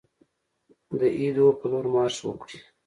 د ایدو په لور مارش وکړي.